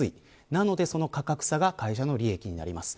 なので、その価格差が会社の利益になります。